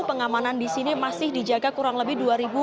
pengamanan disini masih dijaga kurang lebih